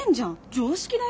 常識だよ。